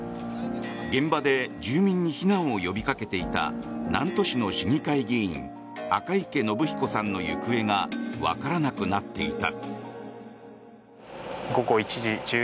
現場で住民に避難を呼びかけていた南砺市の市議会議員赤池信彦さんの行方がわからなくなっていた。